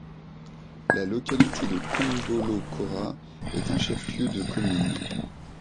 La localité de Kombolokora est un chef-lieu de commune.